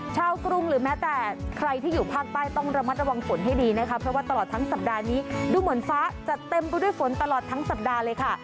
กรุงหรือแม้แต่ใครที่อยู่ภาคใต้ต้องระมัดระวังฝนให้ดีนะคะเพราะว่าตลอดทั้งสัปดาห์นี้ดูเหมือนฟ้าจะเต็มไปด้วยฝนตลอดทั้งสัปดาห์เลยค่ะ